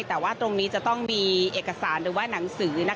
แต่ว่าตรงนี้จะต้องมีเอกสารหรือว่าหนังสือ